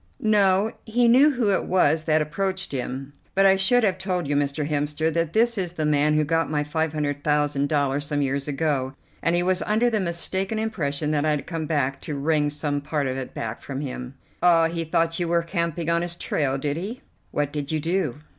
"No. He knew who it was that approached him, but I should have told you, Mr. Hemster, that this is the man who got my five hundred thousand dollars some years ago, and he was under the mistaken impression that I had come to wring some part of it back from him." "Ah, he thought you were camping on his trail, did he? What did you do?"